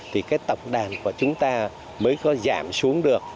thì cái tổng đàn của chúng ta mới có giảm xuống được